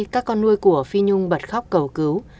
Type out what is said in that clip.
các con nuôi của phi nhung bật khóc cầu cứu